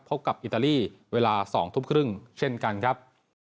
พบกับอิตาลีเวลา๒ทุ่มครึ่งเช่นกันครับ